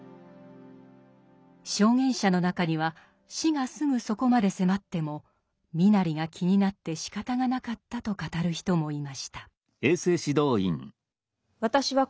証言者の中には死がすぐそこまで迫っても身なりが気になってしかたがなかったと語る人もいました。